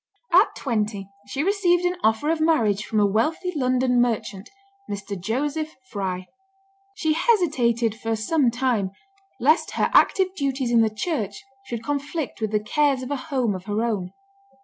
At twenty she received an offer of marriage from a wealthy London merchant, Mr. Joseph Fry. She hesitated for some time, lest her active duties in the church should conflict with the cares of a home of her own.